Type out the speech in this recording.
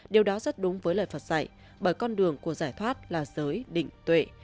điều đó rất đúng với lời phật dạy bởi con đường của giải thoát là giới định tuệ